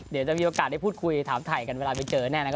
มีโอกาสได้ที่พูดคุยถามถ่ายกันเวลาไปเจอแน่นั่น